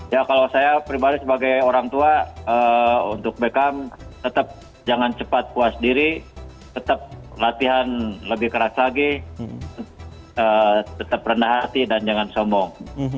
ya kalau saya pribadi sebagai orang tua untuk beckham tetap jangan cepat puas diri tetap latihan lebih keras lagi tetap rendah hati dan jangan sombong